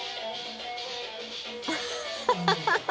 アッハハハハ！